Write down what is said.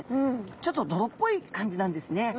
ちょっと泥っぽい感じなんですね。